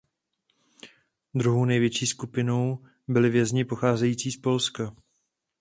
Druhou největší skupinou byli vězni pocházející z Polska.